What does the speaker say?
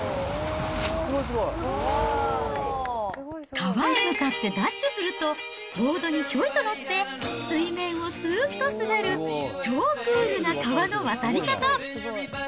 川へ向かってダッシュすると、ボードにひょいと乗って、水面をすーっと滑る、超クールな川の渡り方。